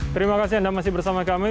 terima kasih anda masih bersama kami